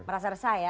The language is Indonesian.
merasa resah ya